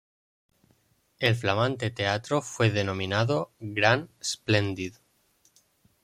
El flamante teatro fue denominado "Gran Splendid".